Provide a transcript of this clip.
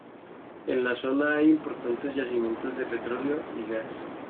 En la zona hay importantes yacimientos de petróleo y gas.